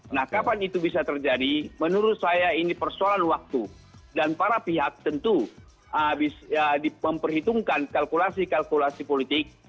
nah kapan itu bisa terjadi menurut saya ini persoalan waktu dan para pihak tentu diperhitungkan kalkulasi kalkulasi politik